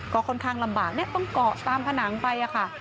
ก็ค่อนข้างลำบากเนี่ยต้องเกาะตามผนังไปค่ะ